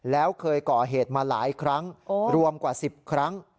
แล้วเคยก่อเหตุมาหลายครั้งรวมกว่า๑๐ครั้ง